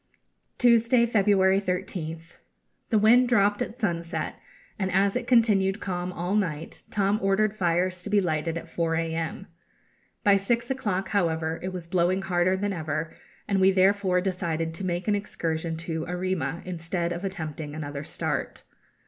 Tuesday, February 13th. The wind dropped at sunset, and as it continued calm all night, Tom ordered fires to be lighted at 4 a.m. By six o'clock, however, it was blowing harder than ever, and we therefore decided to make an excursion to Arrima instead of attempting another start.